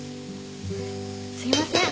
すいません。